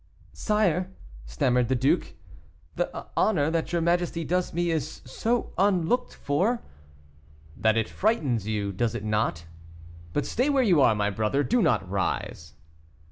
"Sire," stammered the duke, "the honor that your majesty does me is so unlooked for " "That it frightens you, does it not? But stay where you are, my brother; do not rise."